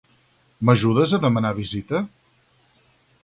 M'ajudes a demanar visita?